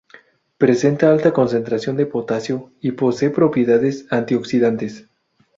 Presenta alta concentración de potasio y posee propiedades antioxidantes.